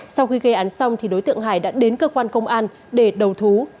sau khi gây án xong thì đối tượng hải đã đến cơ quan công an để đầu thú